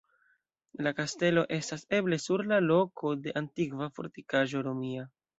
La kastelo estas eble sur la loko de antikva fortikaĵo romia.